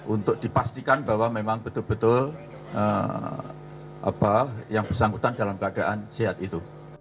untuk dipastikan bahwa memang betul betul yang bersangkutan dalam keadaan sehat itu